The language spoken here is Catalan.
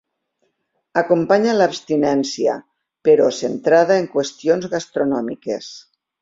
Acompanya l'abstinència, però centrada en qüestions gastronòmiques.